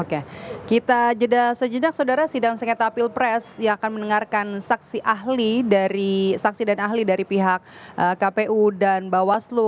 oke kita jeda sejenak saudara sidang sengketa pilpres yang akan mendengarkan saksi ahli dari saksi dan ahli dari pihak kpu dan bawaslu